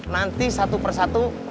nanti satu persatu